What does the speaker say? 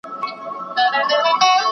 تا ته چې کوم وخت در يادېږم